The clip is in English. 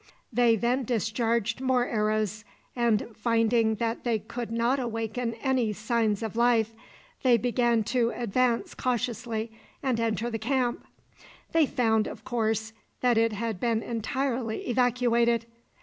They then discharged more arrows, and, finding that they could not awaken any signs of life, they began to advance cautiously and enter the camp. They found, of course, that it had been entirely evacuated.